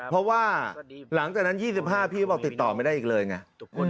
เพราะว่าหลังจากนั้น๒๕พี่ก็บอกติดต่อไม่ได้อีกเลยไง